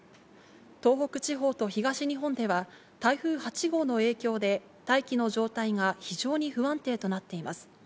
東北地方と東日本では台風８号の影響で大気の状態が非常に不安定となっています。